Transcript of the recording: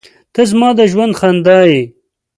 • ته زما د ژوند خندا یې.